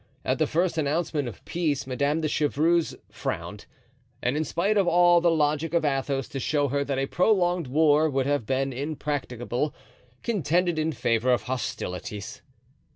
At the first announcement of peace Madame de Chevreuse frowned, and in spite of all the logic of Athos to show her that a prolonged war would have been impracticable, contended in favor of hostilities.